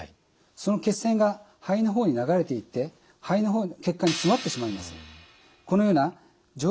その血栓が肺の方に流れていって肺の血管が詰まってしまいます。